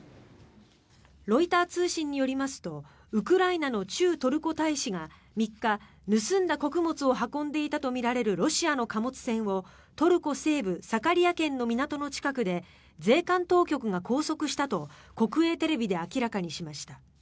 ロイター通信によりますとウクライナの駐トルコ大使が３日盗んだ穀物を運んでいたとみられるロシアの貨物船をトルコ西部サカリヤ県の港の近くで税関当局が拘束したと国営テレビで明らかにしました。